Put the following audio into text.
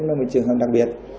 nó là một trường hợp đặc biệt